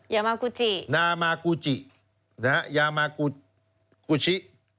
ยามากูจินะครับยามากูจิ